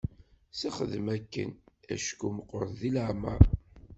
Texdem akken acku meqqret deg leɛmer.